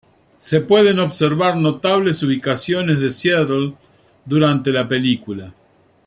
Se pueden observar notables ubicaciones de Seattle durante la película.